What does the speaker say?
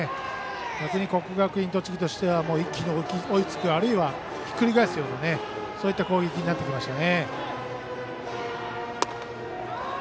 逆に国学院栃木としては一気に追いつくあるいは、ひっくり返すようなそういった攻撃になってきました。